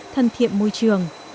thân thiện môi trường